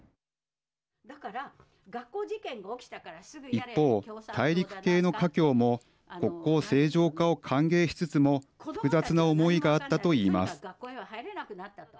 一方、大陸系の華僑も国交正常化を歓迎しつつも複雑な思いがあったと言います。